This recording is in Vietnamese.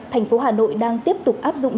thành phố hà nội đang tiếp tục áp dụng